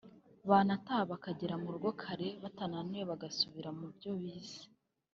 banataha bakagera mu rugo kare batananiwe bagasubira mu byo bize